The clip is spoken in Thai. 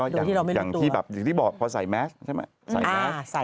อย่างที่บอกพอใส่แม็กซ์ใช่ไหม